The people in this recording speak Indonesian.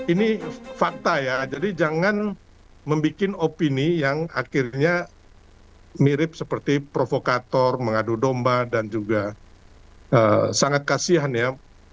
ini fakta ya jadi jangan membuat opini yang akhirnya mirip seperti provokator mengadu domba dan juga sangat kasihan ya